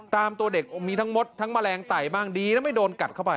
ตามตัวเด็กมีทั้งมดทั้งแมลงไต่บ้างดีนะไม่โดนกัดเข้าไป